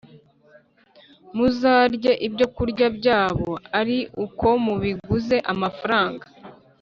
Muzarye ibyokurya byabo ari uko mubiguze amafaranga,